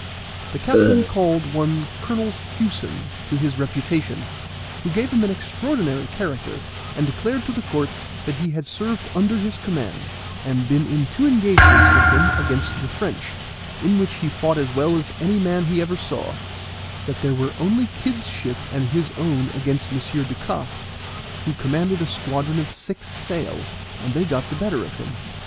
The captain called one Colonel Hewson to his reputation, who gave him an extraordinary character, and declared to the court that he had served under his command, and been in two engagements with him against the French, in which he fought as well as any man he ever saw; that there were only Kid's ship and his own against Monsieur du Cass, who commanded a squadron of six sail, and they got the better of him.